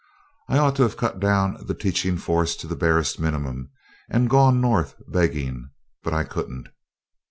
I ought to have cut down the teaching force to the barest minimum, and gone North begging but I couldn't.